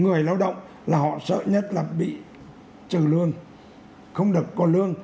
người lao động là họ sợ nhất là bị trừ lương không được có lương